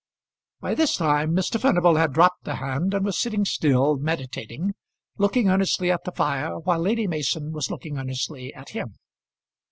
By this time Mr. Furnival had dropped the hand, and was sitting still, meditating, looking earnestly at the fire while Lady Mason was looking earnestly at him.